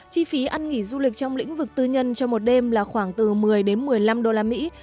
chi phí ăn nghỉ du lịch trong lĩnh vực tư nhân trong một đêm là khoảng từ một mươi đến một mươi năm đô la mỹ